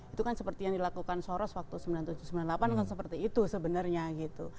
itu kan seperti yang dilakukan soros waktu seribu sembilan ratus tujuh puluh delapan kan seperti itu sebenarnya gitu